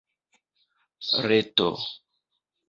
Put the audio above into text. reto